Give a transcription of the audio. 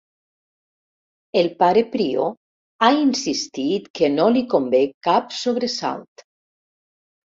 El pare prior ha insistit que no li convé cap sobresalt.